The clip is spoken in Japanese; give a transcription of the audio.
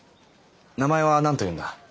名前は何というんだ？